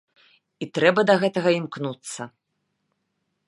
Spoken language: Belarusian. І трэба да гэтага імкнуцца.